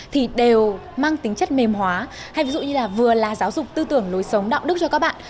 thì đều mang tính chất mềm hóa hay ví dụ như là vừa là giáo dục tư tưởng lối sống đạo đức cho các bạn